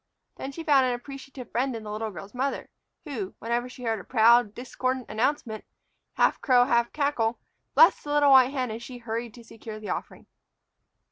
Then she found an appreciative friend in the little girl's mother, who, whenever she heard a proud, discordant announcement, half crow, half cackle, blessed the little white hen as she hurried to secure the offering.